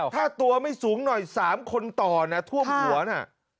ถ้าตัวไม่สูงหน่อย๓คนต่อนะท่วมหัวนะ